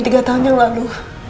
tiga tahun yang lalu